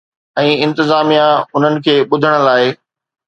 ۽ انتظاميا انهن کي ٻڌڻ لاء؟